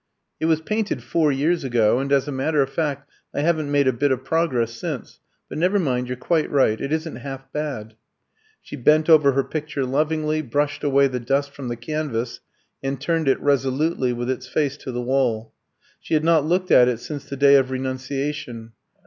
"It was painted four years ago, and as a matter of fact I haven't made a bit of progress since. But never mind, you're quite right. It isn't half bad." She bent over her picture lovingly, brushed away the dust from the canvas, and turned it resolutely with its face to the wall. She had not looked at it since the day of renunciation.